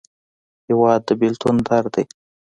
هېواد د بېلتون درد دی.